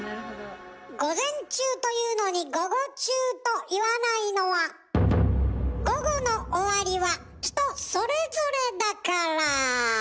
午前中と言うのに午後中と言わないのは午後の終わりは人それぞれだから。